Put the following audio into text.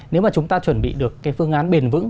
nếu mà chúng ta chuẩn bị được cái phương án bền vững